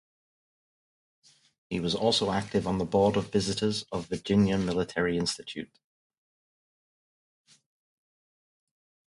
He was also active on the Board of Visitors of Virginia Military Institute.